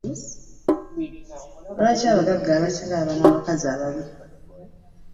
Lwaki abaggaga abasinga babeera n'abakazi ababi?